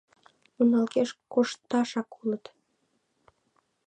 — Уналыкеш коштшашак улыт.